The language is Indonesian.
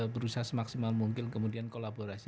berusaha semaksimal mungkin kemudian kolaborasi